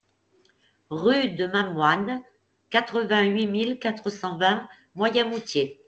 Rue de Mamoine, quatre-vingt-huit mille quatre cent vingt Moyenmoutier